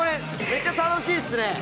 めっちゃ楽しいですね。